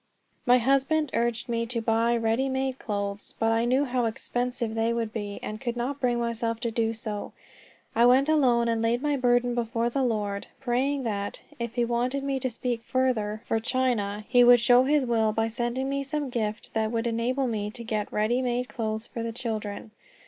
My husband urged me to buy ready made clothes, but I knew how expensive they would be, and could not bring myself to do so. I went alone and laid my burden before the Lord, praying that, if he wanted me to speak further for China, he would show his will by sending me some gift that would enable me to get ready made clothes for the children.